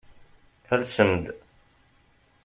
Alsem-d.